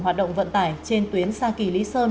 hoạt động vận tải trên tuyến xa kỳ lý sơn